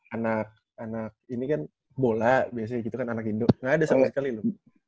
anak anak ini kan bola biasanya gitu kan anak indo nggak ada sama sekali loh